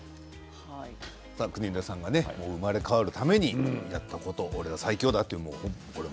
国枝さんが生まれ変わるためにやったこと「オレは最強だ！」。